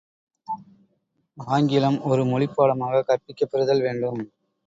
ஆங்கிலம் ஒரு மொழிப் பாடமாகக் கற்பிக்கப் பெறுதல் வேண்டும்.